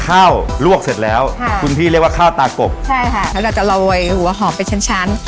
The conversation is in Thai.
ข้าวลวกเสร็จแล้วค่ะคุณพี่เรียกว่าข้าวตากบใช่ค่ะแล้วเราจะโรยหัวหอมไปชั้นชั้น